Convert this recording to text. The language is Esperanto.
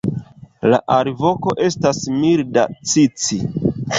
La alvoko estas milda "ci-ci".